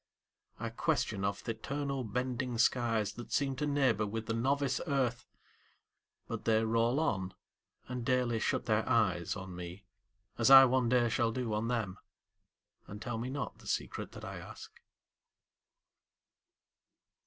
I question of th' eternal bending skies That seem to neighbor with the novice earth; But they roll on, and daily shut their eyes On me, as I one day shall do on them, And tell me not the secret that I ask.